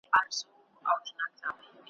په تېر وصال پسي هجران وو ما یې فال کتلی ,